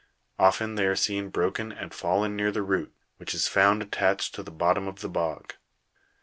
Often they are seen broken and fallen near the root, which is found attached to the bottom of the bog.